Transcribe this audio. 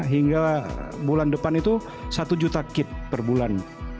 hingga bulan depan itu satu juta kit per bulan